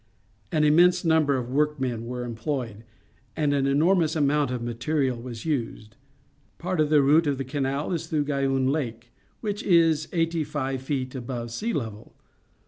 All immense number of workmen were employed, and an enormous amount of material was used. Part of the route of the canal is through Gaiun Lake, which is eighty five feet above sea level.